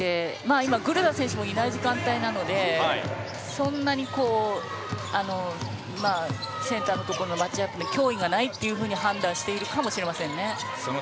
今、グルダ選手もいない時間帯なのでそんなにセンターのところのマッチアップに脅威がないというふうに判断しているかもしれません。